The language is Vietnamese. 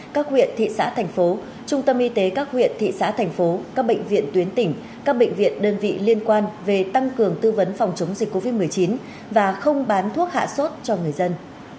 các huyện thị xã thành phố trung tâm y tế các huyện thị xã thành phố các bệnh viện tuyến tỉnh các bệnh viện đơn vị liên quan về tăng cường tư vấn phòng chống dịch covid một mươi chín và không bán thuốc hạ sốt cho người dân